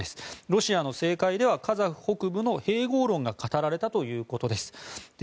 ロシアの政界ではカザフ北部の併合論が語られたということです。